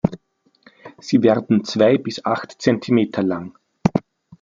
Sie werden zwei bis acht Zentimeter lang.